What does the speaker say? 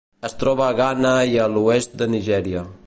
Es troba a Ghana i a l'oest de Nigèria.